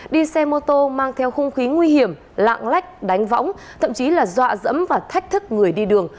đi xe mô tô mang theo hung khí nguy hiểm lạng lách đánh võng thậm chí là dọa dẫm và thách thức người đi đường